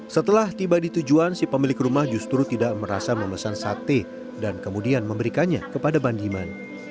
setelah tiba di tujuan si pemilik rumah justru tidak merasa memesan sate dan kemudian memberikannya kepada bandiman